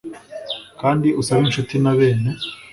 kandi usabe incuti na bene